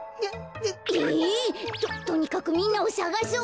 えっ！？ととにかくみんなをさがそう。